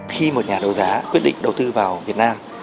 khi một nhà đấu giá quyết định đầu tư vào việt nam